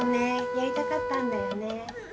やりたかったんだよね。